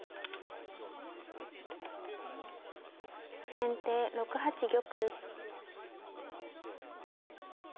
先手６八玉。